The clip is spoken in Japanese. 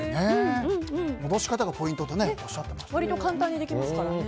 戻し方がポイントとおっしゃっていましたね。